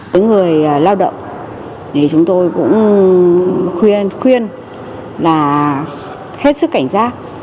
tới người lao động chúng tôi cũng khuyên là hết sức cảnh giác